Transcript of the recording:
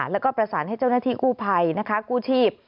แล้วก็ประสานให้เจ้าหน้าที่กู้ภัยนะคะกู้ชีพ